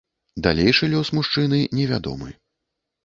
Далейшы лёс мужчыны невядомы.